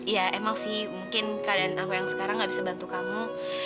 ya emang sih mungkin keadaan aku yang sekarang gak bisa bantu kamu